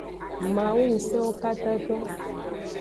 Mawu ngusenwo katato.